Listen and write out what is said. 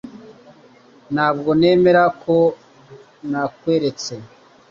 Ntabwo nemera ko nakweretse